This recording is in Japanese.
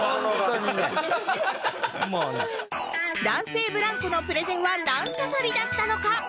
男性ブランコのプレゼンは何刺さりだったのか？